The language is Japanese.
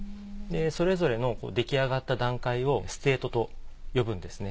それぞれの出来上がった段階をステートと呼ぶんですね。